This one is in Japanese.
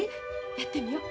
やってみよう。